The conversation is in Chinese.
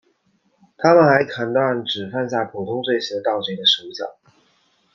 他们还砍断只犯下普通罪行的盗贼的手脚。